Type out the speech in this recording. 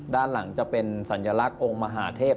ด้านหลังจะเป็นสัญลักษณ์องค์มหาเทพ